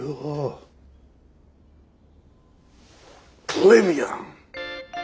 トレビアン！